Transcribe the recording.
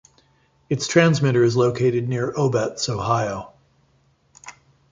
Its transmitter is located near Obetz, Ohio.